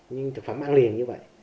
những thực phẩm ăn liền như vậy